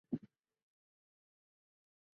平安时代活跃的书法家小野道风出身于此。